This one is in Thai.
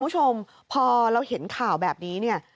คุณผู้ชมพอเราเห็นข่าวแบบนี้เนี่ย